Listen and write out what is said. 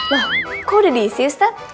wah kok udah diisi ustaz